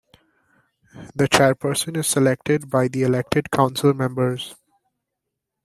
The chairperson is selected by the elected council members.